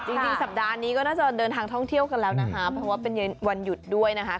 จริงสัปดาห์นี้ก็น่าจะเดินทางท่องเที่ยวกันแล้วนะคะเพราะว่าเป็นวันหยุดด้วยนะคะ